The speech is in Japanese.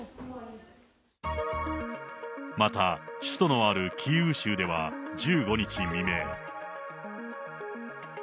また、首都のあるキーウ州では１５日未明。